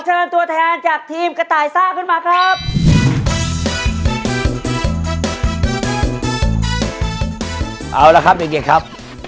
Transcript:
เอาให้เจียมที่นะครับ